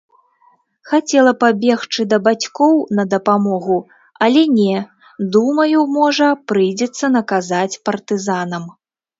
Хацела пабегчы да бацькоў на дапамогу, але не, думаю, можа, прыйдзецца наказаць партызанам.